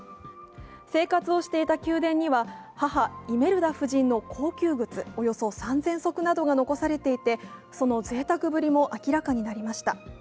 生活をしていた宮殿には母・イメルダ夫人の高級靴およそ３０００足などが残されていてそのぜいたくぶりも明らかになりました。